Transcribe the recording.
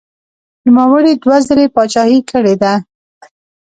نوموړي دوه ځلې پاچاهي کړې ده.